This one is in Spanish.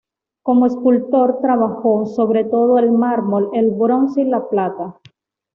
Como escultor trabajó, sobre todo, el mármol, el bronce y la plata.